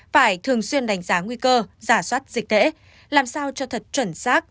phải thường xuyên đánh giá nguy cơ giả soát dịch tễ làm sao cho thật chuẩn xác